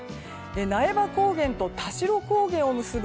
苗場高原と田代高原を結ぶ